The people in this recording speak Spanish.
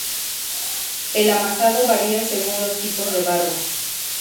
El amasado varía según los tipos de barro.